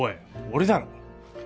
俺だろ！